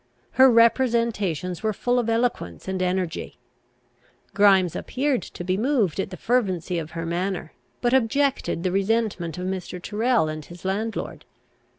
Her representations were full of eloquence and energy. Grimes appeared to be moved at the fervency of her manner; but objected the resentment of Mr. Tyrrel and his landlord.